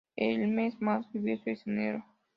El mes más lluvioso es enero.